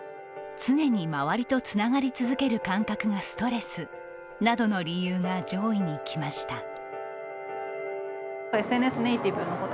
「常に周りとつながり続ける感覚がストレス」などの理由が上位にきました。